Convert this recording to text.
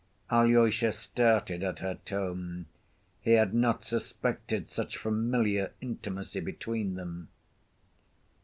Alyosha started at her tone. He had not suspected such familiar intimacy between them.